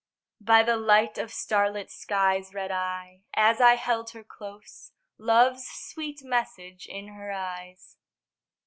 By the light of starlit skies Read I, as I held her close, Love's sweet message in her eyes.